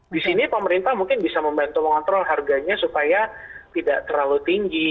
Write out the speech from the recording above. di sini pemerintah mungkin bisa membantu mengontrol harganya supaya tidak terlalu tinggi